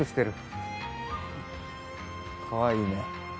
かわいいね。